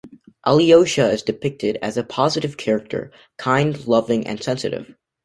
Alyosha is depicted as a positive character, kind, loving and sensitive.